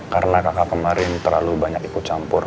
karena kakak kemarin terlalu banyak ikut campur